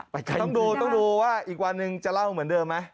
ไปไกลหนึ่งนะครับต้องดูว่าอีกวันนึงจะเล่าเหมือนเดิมไหม